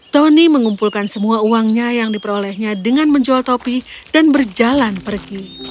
tony mengumpulkan semua uangnya yang diperolehnya dengan menjual topi dan berjalan pergi